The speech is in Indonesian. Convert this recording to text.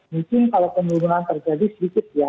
mungkin kalau penurunan terjadi sedikit ya